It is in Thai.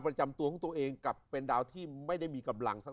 ประจำตัวของตัวเองกลับเป็นดาวที่ไม่ได้มีกำลังสัก